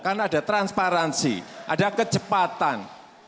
karena ada transparansi ada kecepatan